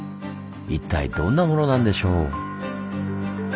一体どんなものなんでしょう？